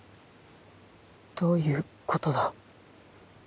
どういうことだ？